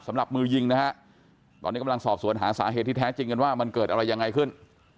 สำหรับมือยิงนะฮะตอนนี้กำลังสอบสวนหาสาเหตุที่แท้จริงกันว่ามันเกิดอะไรยังไงขึ้น